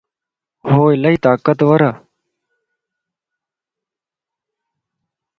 هوالائي طاقتور ا